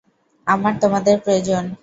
আমার তোমাদের প্রয়োজন।